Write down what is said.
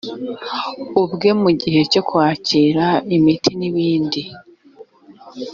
ubwe mu gihe cyo kwakira imiti n ibindi